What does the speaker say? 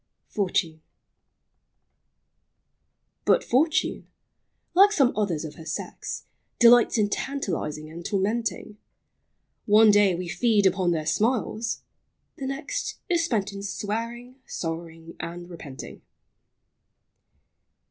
FROM " FANNY." But Fortune, like some others of her sex, Delights in tantalizing and tormenting. One day we feed upon their smiles, — the next Is spent in swearing, sorrowing, and repenting.